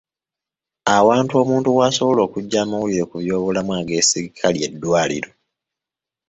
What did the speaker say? Awantu omuntu wasobola okuggya amawulire ku byoblamu ageesigika ly'eddwaliro.